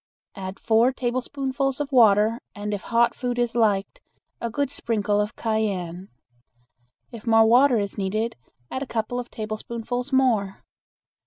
Add four tablespoonfuls of water and if hot food is liked, a good sprinkle of cayenne. If more water is needed, add a couple of tablespoonfuls more.